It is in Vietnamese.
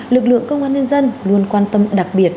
lực lượng công an nhân dân luôn quan tâm đặc biệt